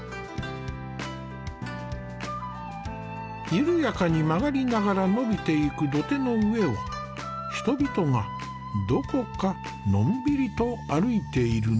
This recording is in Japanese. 緩やかに曲がりながら伸びていく土手の上を人々がどこかのんびりと歩いているね。